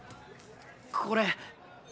これ。